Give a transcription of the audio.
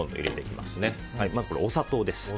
まず、お砂糖です。